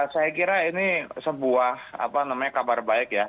saya kira ini sebuah kabar baik ya